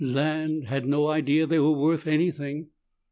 "Land! Had no idea they were worth anything."